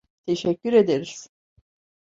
Teşekkür ederiz.